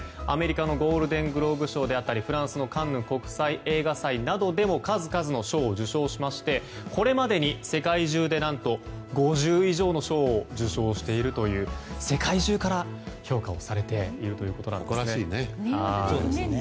アメリカのゴールデングローブ賞であったりフランスのカンヌ国際映画祭などでも数々の賞を受賞しましてこれまでに世界中で何と５０以上の賞を受賞しているという世界中から評価をされているということなんです。